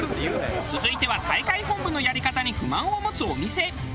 続いては大会本部のやり方に不満を持つお店。